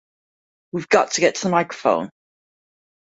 'We've got to get to the microphone!